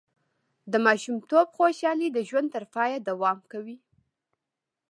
د ماشومتوب خوشحالي د ژوند تر پایه دوام کوي.